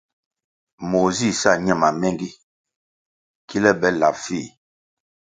Moh zih sa ñe mamengi kile be lap fih.